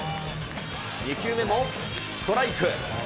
２球目もストライク。